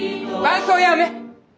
伴奏やめ。